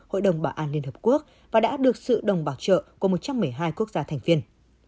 hội đồng bảo an liên hợp quốc và đã được sự đồng bảo trợ của một trăm một mươi hai quốc gia thành viên